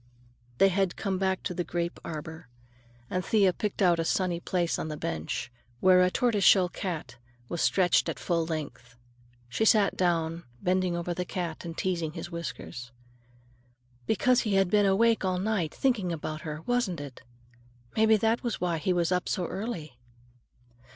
_" They had come back to the grape arbor, and Thea picked out a sunny place on the bench, where a tortoise shell cat was stretched at full length. She sat down, bending over the cat and teasing his whiskers. "Because he had been awake all night, thinking about her, wasn't it? Maybe that was why he was up so early."